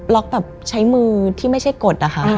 ล็อกแบบใช้มือที่ไม่ใช่กด